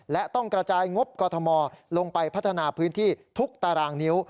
และต้องกระจายงบกอทมลงไปพัฒนาพื้นที่ทุกตารางนิ้ว